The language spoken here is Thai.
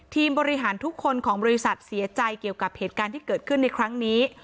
ทีมบริหารทุกคนของบริษัทเสียใจเกี่ยวกับเหตุการณ์ที่เกิดขึ้นในครั้งนี้